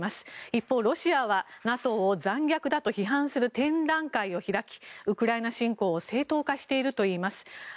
一方、ロシアはＮＡＴＯを残虐だと批判する展覧会を開き、ウクライナ侵攻を正当化しているといいます。